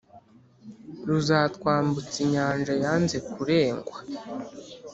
ruzatwambutsa inyanja yanze kurengwa